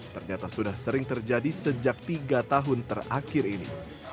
ternyata sudah sering terjadi sejak tiga tahun terakhir ini